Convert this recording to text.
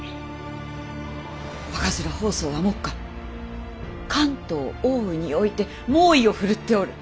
赤面疱瘡は目下関東・奥羽において猛威を振るっておる。